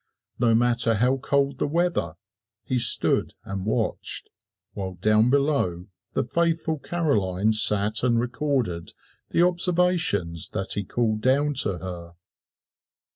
No matter how cold the weather, he stood and watched; while down below, the faithful Caroline sat and recorded the observations that he called down to her.